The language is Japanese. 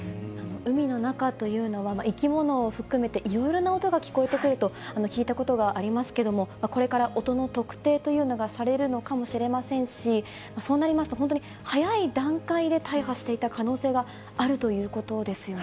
海の中というのは、生き物を含めて、いろいろな音が聞こえてくると聞いたことがありますけども、これから音の特定というのがされるのかもしれませんし、そうなりますと、本当に早い段階で大破していた可能性があるということですよね。